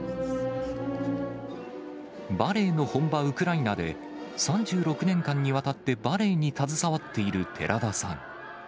バレエの本場ウクライナで、３６年間にわたってバレエに携わっている寺田さん。